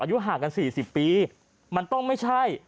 อายุห่างกัน๔๐ปีมันต้องไม่ใช่